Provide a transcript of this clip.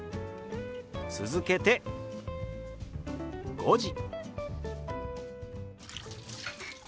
続けて「５時」。